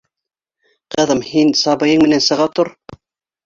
Ҡыҙым, һин сабыйың менән сыға тор.